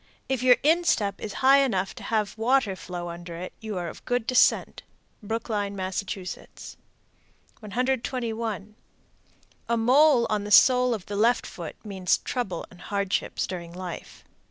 If your instep is high enough to have water flow under it, you are of good descent. Brookline, Mass. 121. A mole on the sole of the left foot means trouble and hardships during life.